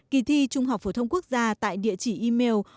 kỳ thi trung học phổ thông quốc gia tại địa chỉ email